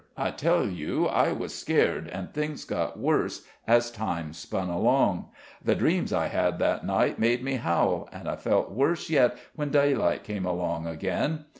I tell you I was scared, and things got worse as time spun along; the dreams I had that night made me howl, and I felt worse yet when daylight came along again.